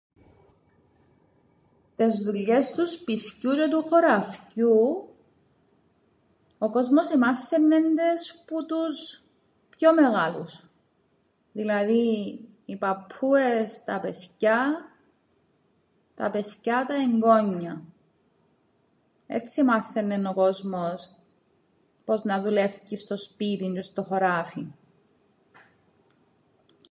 Τες δουλειές του σπιθκιού τžαι του χωραφκιού, ο κόσμος εμάθαιννεν τες που τους πιο μεγάλους, δηλαδή οι παππούες τα παιθκιά, τα παιθκιά τα εγγόνια. Έτσι εμάθαιννεν ο κόσμος πώς να δουλεύκει στο σπίτιν τžαι στο χωράφιν.